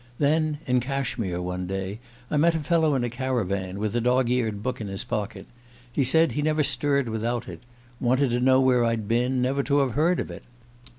Then, in Cashmere one day, I met a fellow in a caravan, with a dog eared book in his pocket. He said he never stirred without it wanted to know where I'd been, never to have heard of it.